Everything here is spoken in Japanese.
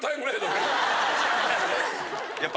やっぱ。